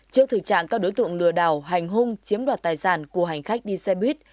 trước thực trạng các đối tượng lừa đảo hành hung chiếm đoạt tài sản của hành khách đi xe buýt